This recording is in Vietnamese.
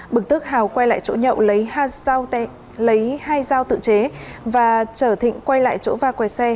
bực tức hào quay lại chỗ nhậu lấy hai dao tự chế và trở thịnh quay lại chỗ va quẹt xe